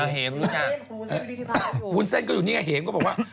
เห็มวุ้นเซ็นก็อยู่นี่ไงเห็มก็บอกว่า